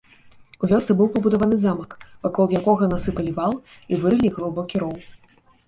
У вёсцы быў пабудаваны замак, вакол якога насыпалі вал і вырылі глыбокі роў.